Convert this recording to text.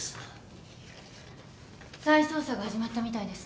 再捜査が始まったみたいですね。